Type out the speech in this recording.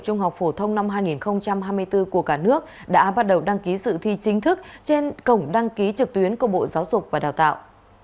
trung học phổ thông năm hai nghìn hai mươi bốn của cả nước đã bắt đầu đăng ký sự thi chính thức trên cổng đăng ký trực tuyến của bộ giáo dục và đào tạo